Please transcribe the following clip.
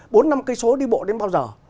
bốn năm cây số đi bộ đến bao giờ